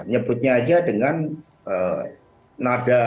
nyebutnya aja dengan nada